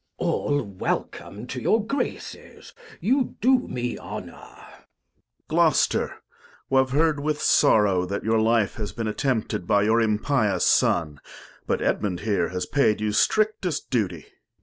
Glost. All Welcome to your Graces, you do me Honour. Duke. Gloster, Wave heard with Sorrow that your Life Has been attempted by your impious Son ; But Edmund here has paid you strictest Duty.